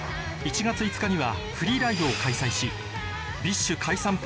１月５日にはフリーライブを開催しＢｉＳＨ解散